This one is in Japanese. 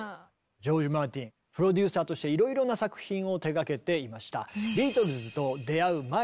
ジョージ・マーティンプロデューサーとしていろいろな作品を手がけていました。